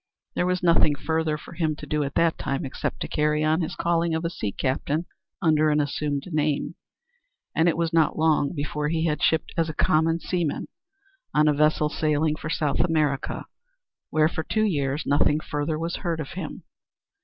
There was nothing further for him to do at that time except to carry on his calling of sea captain under an assumed name, and it was not long before he had shipped as a common seaman on a vessel sailing for South America, where for two years, nothing further was heard of him.